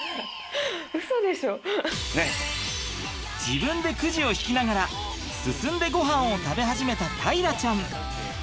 自分でくじを引きながら進んでごはんを食べ始めた大樂ちゃん。